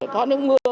thoát nước mưa